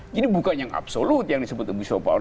bukan yang absolut yang disebut abuse of power